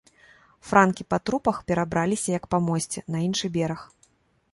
Франкі па трупах перабраліся, як па мосце, на іншы бераг.